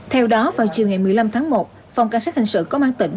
theo đó vào chiều ngày một mươi năm tháng một phòng cảnh sát hình sự công an tỉnh